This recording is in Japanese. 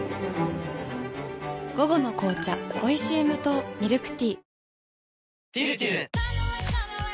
午後の紅茶おいしい無糖ミルクティー